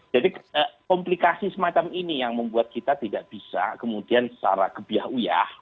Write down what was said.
jadi komplikasi semacam ini yang membuat kita tidak bisa kemudian secara gebiah uyah